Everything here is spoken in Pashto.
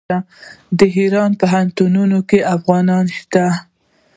د ایران په پوهنتونونو کې افغانان شته.